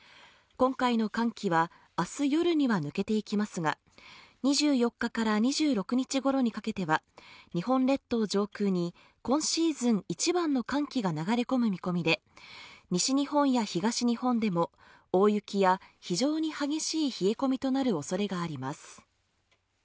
今回の寒気は明日夜には抜けていきますが２４日から２６日ごろにかけては日本列島上空に今シーズン一番の寒気が流れ込む見込みで西日本や東日本でも大雪や非常に激しい冷え込みとなるおそれがあります。